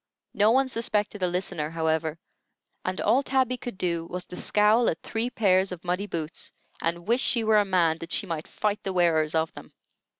No one suspected a listener, however, and all Tabby could do was to scowl at three pairs of muddy boots, and wish she were a man that she might fight the wearers of them.